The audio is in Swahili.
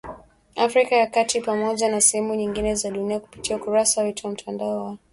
Afrika ya kati Pamoja na sehemu nyingine za dunia kupitia ukurasa wetu wa mtandao wa